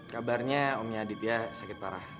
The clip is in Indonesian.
kabarnya omnya aditya sakit parah